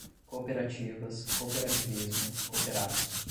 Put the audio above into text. Cooperativas, cooperativismo, cooperados